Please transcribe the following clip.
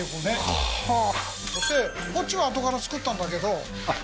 そしてこっちはあとから造ったんだけどあっ